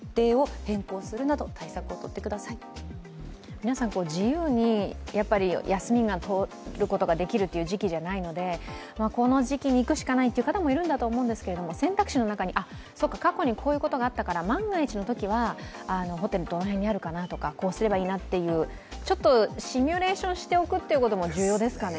皆さん、自由に休みがとることができるという時期じゃないので、この時期に行くしかないという方もいるんだと思うんですけど、選択肢の中に、過去にこういうことがあったから、万が一のときはホテルどの辺にあるかなとか、こうすればいいかなという、ちょっとシミュレーションしておくことも重要ですかね。